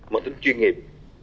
mọi thứ chuyên nghiệp